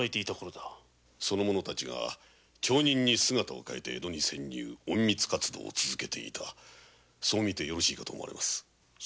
四人の者たちが町人姿で江戸に潜入隠密活動を続けていたそう見てよろしいかと思われます。